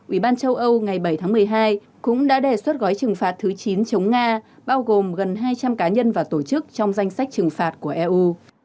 ủy ban châu âu ngày bảy tháng một mươi hai cũng đã đề xuất gói trừng phạt thứ chín chống nga bao gồm gần hai trăm linh cá nhân và tổ chức trong danh sách trừng phạt của eu